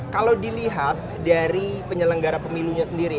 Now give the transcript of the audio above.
kalau dilihat dari penyelenggara pemilunya sendiri